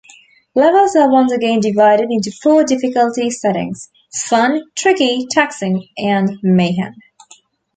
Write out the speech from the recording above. Levels are once again divided into four difficulty settings: Fun, Tricky, Taxing and Mayhem.